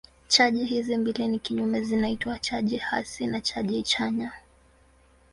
Chaji hizi mbili ni kinyume zinaitwa chaji hasi na chaji chanya.